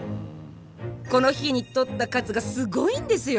この日に採った数がすごいんですよ！